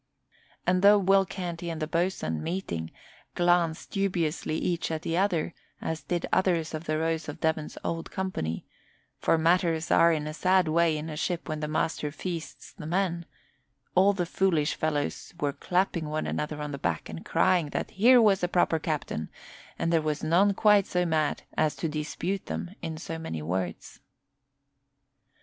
And though Will Canty and the boatswain, meeting, glanced dubiously each at the other, as did others of the Rose of Devon's old company, for matters are in a sad way in a ship when the master feasts the men, all the foolish fellows were clapping one another on the back and crying that here was a proper captain, and there was none quite so mad as to dispute them in so many words.